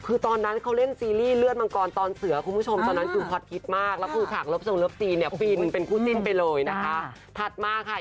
คือตอนนั้นเค้าเล่นซีรีส์เลือดมังกรตอนเสือคุณผู้ชมตอนนั้นคือฮอตฮิตมากแล้วภูตรศักดิ์ลบสองลบสี่เนี่ยปีนึงเป็นคู่จิ้นไปเลยนะคะ